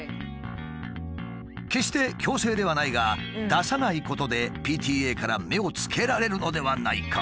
決して強制ではないが出さないことでＰＴＡから目をつけられるのではないか。